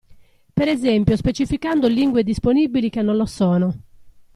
Per esempio specificando lingue disponibili che non lo sono.